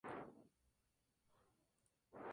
Posteriormente se crea el Departamento de Curepto.